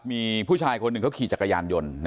มีผู้ชายคนหนึ่งเขาขี่จักรยานยนต์